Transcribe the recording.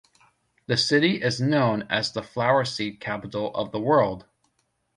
The city is known as the flower seed capital of the world.